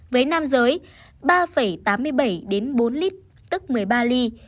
với nam giới ba tám mươi bảy bốn lít tức một mươi ba ly